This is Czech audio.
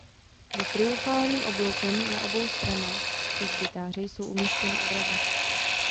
Za triumfálním obloukem na obou stranách presbytáře jsou umístěny obrazy.